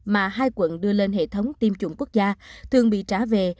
mà hai quận đưa lên hệ thống tiêm chủng quốc gia thường bị trả về